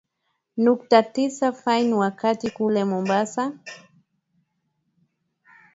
nukta tisa fm wakati kule mombasa